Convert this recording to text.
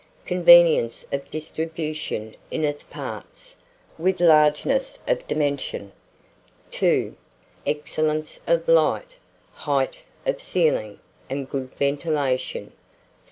Convenience of distribution in its parts, with largeness of dimension. 2. Excellence of light, height of ceiling, and good ventilation.